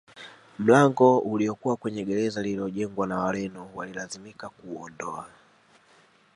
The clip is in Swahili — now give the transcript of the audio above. Mlango uliokuwa kwenye gereza lililojengwa na Wareno walilazimika kuuondoa